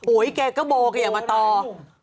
โอ้ยแกก็โบกันอย่ามาต่อโบอะไร